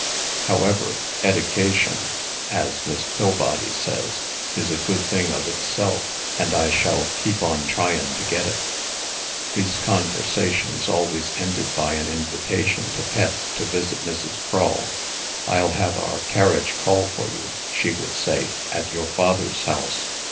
However, eddication, as Miss Pillbody says, is a good thing of itself, and I shall keep on tryin' to get it." These conversations always ended by an invitation to Pet to visit Mrs. Crull. "I'll have our carriage call for you," she would say, "at your father's house.